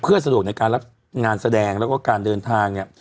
เพื่อสะดวกในการรับงานแสดงและการเดินทาง